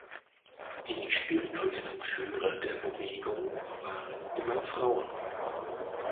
Die spirituellen Führer der Bewegung waren immer Frauen.